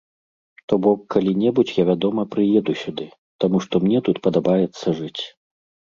То бок калі-небудзь я вядома прыеду сюды, таму што мне тут падабаецца жыць.